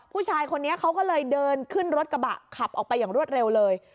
ผู้ชายคนนี้เขาก็เลยเดินขึ้นรถกระบะขับออกไปอย่างรวดเร็วเลย